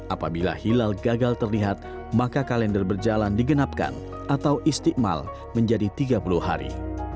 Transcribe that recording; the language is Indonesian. apabila hilal gagal terlihat maka kalender berjalan digenapkan atau istiqmal menjadi tiga puluh hari